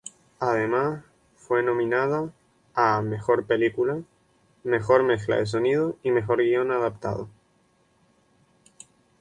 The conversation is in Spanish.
Además, fue nominada a Mejor Película, Mejor Mezcla de Sonido y Mejor Guion Adaptado.